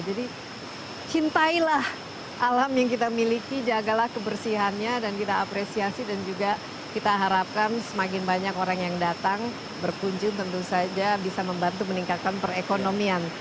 jadi cintailah alam yang kita miliki jagalah kebersihannya dan kita apresiasi dan juga kita harapkan semakin banyak orang yang datang berkunjung tentu saja bisa membantu meningkatkan perekonomian